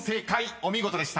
お見事でした］